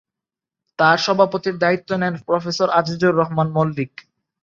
তার সভাপতির দায়িত্ব নেন প্রফেসর আজিজুর রহমান মল্লিক।